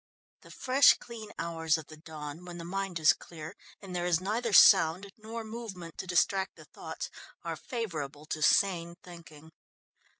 The fresh clean hours of the dawn, when the mind is clear, and there is neither sound nor movement to distract the thoughts, are favourable to sane thinking.